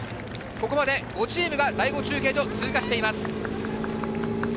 ここまで５チームが第５中継所を通過しています。